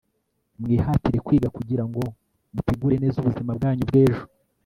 mwihatire kwiga kugira ngo mutegure neza ubuzima bwanyu bw ejo